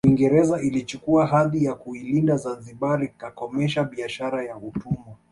Uingereza ilichukua hadhi ya kuilinda Zanzibari kakomesha biashara ya utumwa